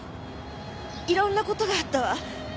色んな事があったわ。